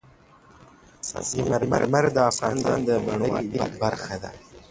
سنگ مرمر د افغانستان د بڼوالۍ برخه ده.